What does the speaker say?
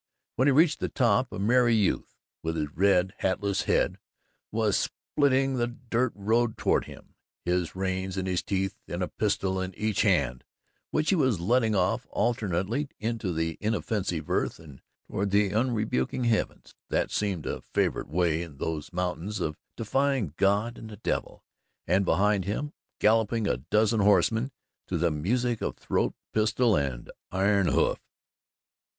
When he reached the top, a merry youth, with a red, hatless head was splitting the dirt road toward him, his reins in his teeth, and a pistol in each hand, which he was letting off alternately into the inoffensive earth and toward the unrebuking heavens that seemed a favourite way in those mountains of defying God and the devil and behind him galloped a dozen horsemen to the music of throat, pistol and iron hoof.